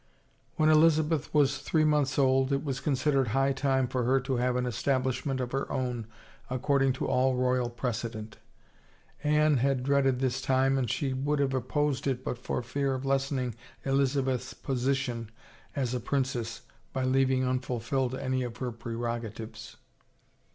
When Elizabeth was three months old it was consid ered high time for her to have an establishment of her own according to all royal precedent. Anne had dreaded this time and she would have opposed it but for fear of lessening Elizabeth's position as a princess by leaving unfulfilled any of her prerogatives.